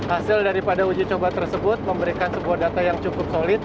hasil daripada uji coba tersebut memberikan sebuah data yang cukup solid